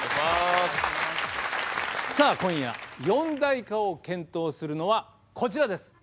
さあ今夜四大化を検討するのはこちらです。